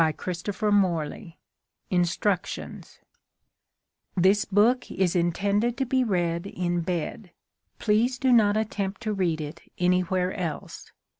M. INSTRUCTIONS This book is intended to be read in bed. Please do not attempt to read it anywhere else.